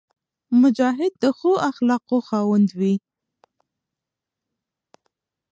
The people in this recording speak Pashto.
مجاهد د ښو اخلاقو خاوند وي.